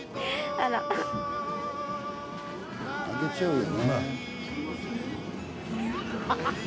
あげちゃうよね。